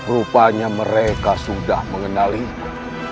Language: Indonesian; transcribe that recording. rupanya mereka sudah mengenalimu